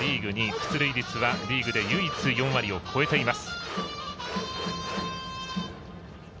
出塁率はリーグで唯一４割を超えています。